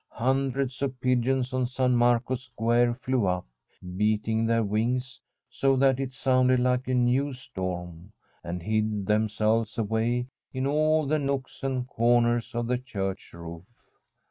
Hundreds of pigeons on San Marco's square flew up, beat ing their wings, so that it sounded like a new storm, and hid themselves away in all the nooks and corners of the church roof.